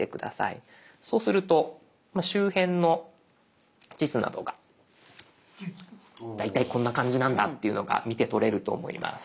そうすると周辺の地図などが。大体こんな感じなんだというのが見てとれると思います。